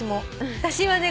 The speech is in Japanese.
私はね